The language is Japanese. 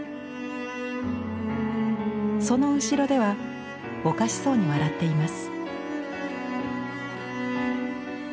その後ろではおかしそうに笑っています。